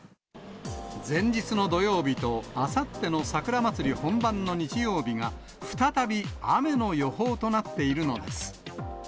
前日の土曜日とあさってのさくらまつり本番の日曜日が、再び雨の予報となっているのです。